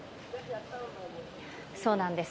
そうなんです。